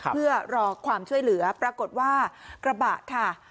เพื่อรอความช่วยเหลือปรากฏว่ากระบะค่ะ